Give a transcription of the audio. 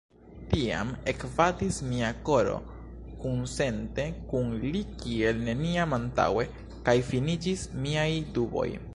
Tiam ekbatis mia koro kunsente kun li kiel neniam antaŭe, kaj finiĝis miaj duboj.